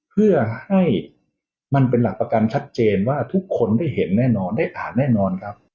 เพื่อให้มันเป็นหลักประกันชัดเจนว่าทุกคนได้เห็นแน่นอนได้อ่านแน่นอนครับ